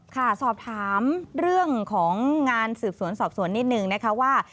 ค่ะสอบถามเรื่องของงานสืบสวนสอบสวนนิดนึงนะคะว่า